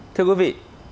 thưa quý vị